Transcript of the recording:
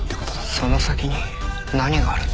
その先に何があるんだ？